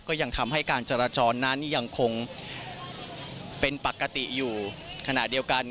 ก็ยังทำให้การจราจรนั้นยังคงเป็นปกติอยู่ขณะเดียวกัน